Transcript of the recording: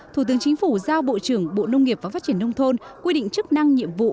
thủ tướng chính phủ giao bộ trưởng bộ nông nghiệp và phát triển nông thôn quy định chức năng nhiệm vụ